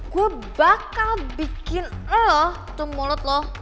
gue bakal bikin eloh ke mulut lo